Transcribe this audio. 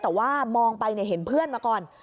แต่ว่ามองไปเห็นเพื่อนมาก่อน